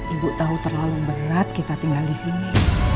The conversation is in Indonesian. ibu tahu terlalu berat kita tinggal disini